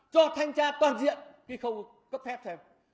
cho thanh tra toàn diện cái khâu cấp phép thêm